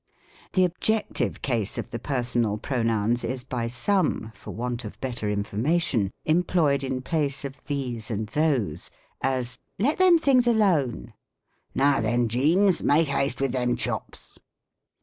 The objective case of the personal pronouns is by some, for want of better information, employed in the place of these and those : as, " Let the?)i things alone." " Now then, Jemes, make haste with them chops."